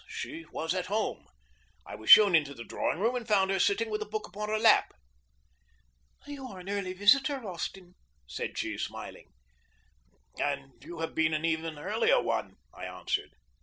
She was at home. I was shown into the drawing room and found her sitting with a book upon her lap. "You are an early visitor, Austin," said she, smiling. "And you have been an even earlier one," I answered.